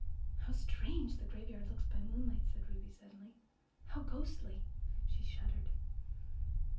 "How strange the graveyard looks by moonlight!" said Ruby suddenly. "How ghostly!" she shuddered.